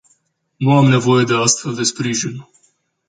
Nu am nevoie de astfel de sprijin.